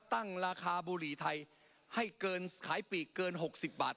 ตั้งราคาบุหรี่ไทยให้เกินขายปีกเกิน๖๐บาท